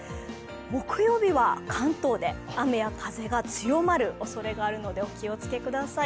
木曜日は関東で雨や風が強まるおそれがあるので、お気をつけください。